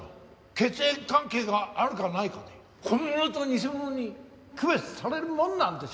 血縁関係があるかないかで本物と偽物に区別されるもんなんでしょうか？